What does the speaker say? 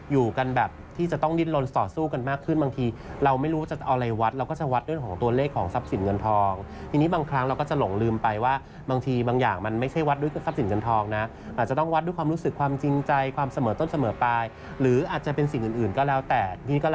อยู่กันแบบที่จะต้องดิ้นลนต่อสู้กันมากขึ้นบางทีเราไม่รู้จะเอาอะไรวัดเราก็จะวัดเรื่องของตัวเลขของทรัพย์สินเงินทองทีนี้บางครั้งเราก็จะหลงลืมไปว่าบางทีบางอย่างมันไม่ใช่วัดด้วยทรัพย์สินเงินทองนะอาจจะต้องวัดด้วยความรู้สึกความจริงใจความเสมอต้นเสมอไปหรืออาจจะเป็นสิ่งอื่นก็แล้วแต่